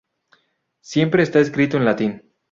Siempre está escrito en latín.